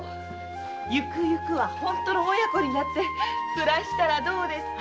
ゆくゆくは本当の親子になって暮らしたらどうですか。